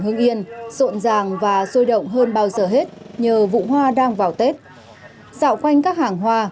hương yên rộn ràng và sôi động hơn bao giờ hết nhờ vụ hoa đang vào tết dạo quanh các hàng hoa